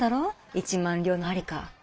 一万両の在りか。